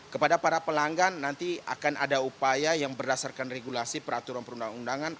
kepada para pelanggan nanti akan ada upaya yang berdasarkan regulasi peraturan perundang undangan